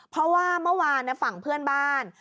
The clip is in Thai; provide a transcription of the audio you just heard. เพราะว่าเมื่อวานฝั่งเพื่อนบ้าน